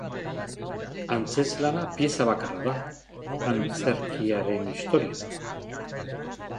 Antzezlana pieza bakarra da antzerkiaren historian.